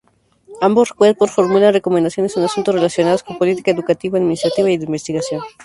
Ambos cuerpos formulan recomendaciones en asuntos relacionados con política educativa, administrativa y de investigación.